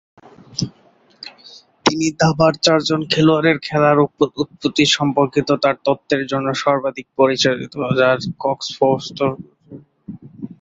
তিনি দাবার "চারজন খেলোয়াড়ের খেলা"র উৎপত্তি সম্পর্কিত তার তত্ত্বের জন্য সর্বাধিক পরিচিত, যা কক্স-ফোর্বস তত্ত্ব হিসাবে পরিচিত।